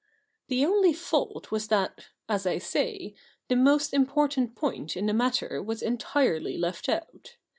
The only fault was that, as I say, the most important point in the matter was entirely left out.